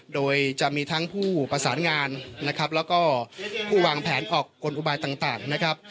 โดยจะมีทั้งผู้ประสานงานและผู้วางแผนออกกลุ่มอุบายต่าง